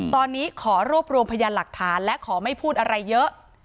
ตอนนี้ขอรวบรวมพยานหลักฐานและขอไม่พูดอะไรเยอะ